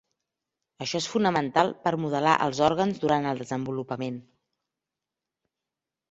Això és fonamental per modelar els òrgans durant el desenvolupament.